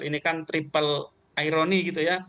ini kan triple ironi gitu ya